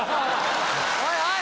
おいおい！